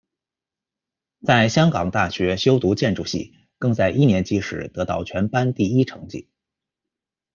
在香港大学修读建筑系，更在一年级时得到全班第一成绩。